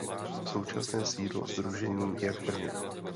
Současné sídlo sdružení je v Brně.